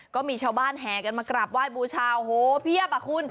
ก็มีชาวบ้านแห่กันมากราบไหว้บูชาโอ้โหเพียบอ่ะคุณ